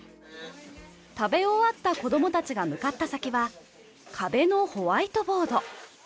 食べ終わった子どもたちが向かった先は壁のホワイトボード。